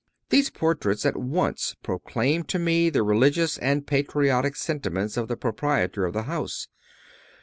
These portraits at once proclaimed to me the religious and patriotic sentiments of the proprietor of the house.